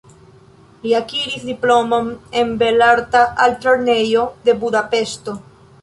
Li akiris diplomon en Belarta Altlernejo de Budapeŝto.